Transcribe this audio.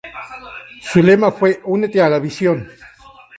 Su lema fue ""Únete a la visión"".